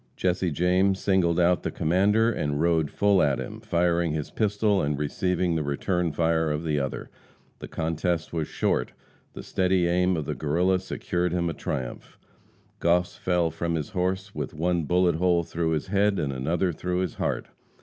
Jesse James singled out the commander and rode full at him, firing his pistol and receiving the return fire of the other. The contest was short; the steady aim of the Guerrilla secured him a triumph. Goss fell from his horse with one bullet hole through his head and another through his heart.